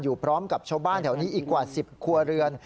พร้อมกับชาวบ้านแถวนี้อีกกว่า๑๐ครัวเรือน